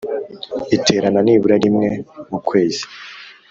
Iterana nibura rimwe mu kwezi